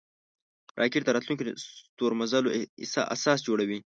راکټ د راتلونکو ستورمزلو اساس جوړوي